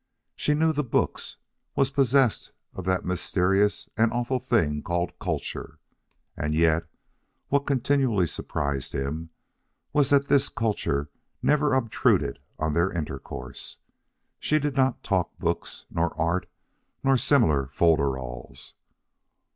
She knew the books, was possessed of that mysterious and awful thing called "culture." And yet, what continually surprised him was that this culture was never obtruded on their intercourse. She did not talk books, nor art, nor similar folderols.